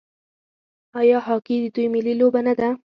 آیا هاکي د دوی ملي لوبه نه ده؟